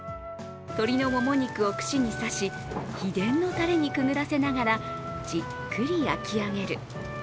鶏のもも肉を串に刺し秘伝のタレにくぐらせながらじっくり焼き上げる。